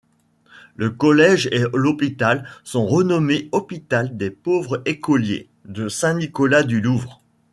Le collège et l'hôpital sont renommés hôpital des pauvres écoliers de Saint-Nicolas-du-Louvre.